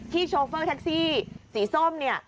โชเฟอร์แท็กซี่สีส้มเนี่ย